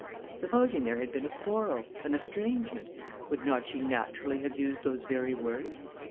Supposing there had been a quarrel, an estrangement, would not she naturally have used those very words?